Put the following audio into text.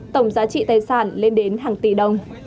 tổng giá trị tài sản lên đến hàng tỷ đồng